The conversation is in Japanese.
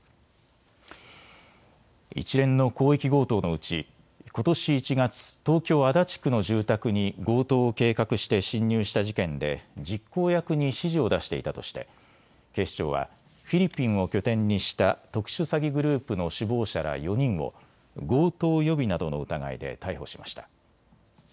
一連の広域強盗のうちことし１月、東京足立区の住宅に強盗を計画して侵入した事件で実行役に指示を出していたとして警視庁はフィリピンを拠点にした特殊詐欺グループの首謀者ら４人を強盗予備などの疑いで逮捕しました。